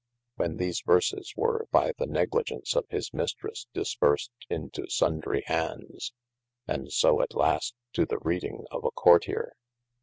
When these verses were by the negligence of his Mistresse dispersed into sundry handes, and so at last to the reading of a Courtier.